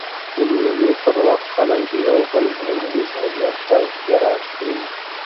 د مېلو پر وخت خلک د یو بل دودیز هنر ته احترام کوي.